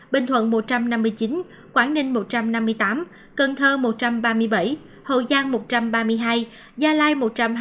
hai trăm hai mươi hai bình thuận một trăm năm mươi chín quảng ninh một trăm năm mươi tám cần thơ một trăm ba mươi bảy hậu giang một trăm ba mươi hai gia lai